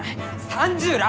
３０らあ！